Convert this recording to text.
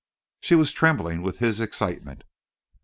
She was trembling with his excitement.